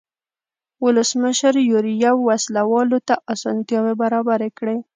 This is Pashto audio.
ولسمشر یوریب وسله والو ته اسانتیاوې برابرې کړې.